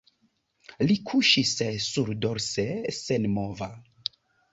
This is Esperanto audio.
Li kuŝis surdorse senmova.